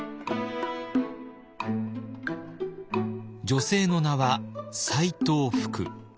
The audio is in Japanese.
女性の名は斎藤福。